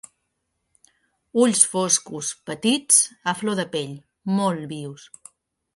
Ulls foscos, petits, a flor de pell, molt vius.